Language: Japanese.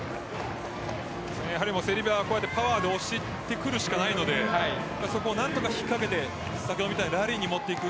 セルビアはパワーで押してくるしかないのでそこを何とか引っかけて先ほどみたいにラリーに持っていく。